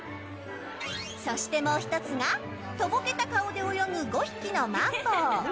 そしてもう一つがとぼけた顔で泳ぐ５匹のマンボウ。